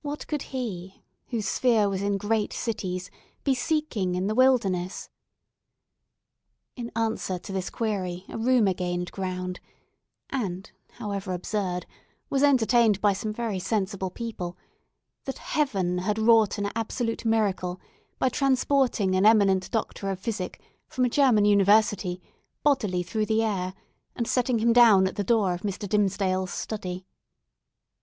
What, could he, whose sphere was in great cities, be seeking in the wilderness? In answer to this query, a rumour gained ground—and however absurd, was entertained by some very sensible people—that Heaven had wrought an absolute miracle, by transporting an eminent Doctor of Physic from a German university bodily through the air and setting him down at the door of Mr. Dimmesdale's study!